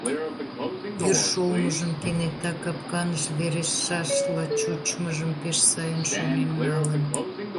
Вӱр шолмыжым, кенета капканыш верештшашла чучмыжым пеш сайын шонен налын.